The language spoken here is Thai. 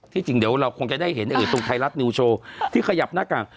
จริงเดี๋ยวเราคงจะได้เห็นตรงไทยรัฐนิวโชว์ที่ขยับหน้ากาก